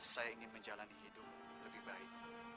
saya ingin menjalani hidup lebih baik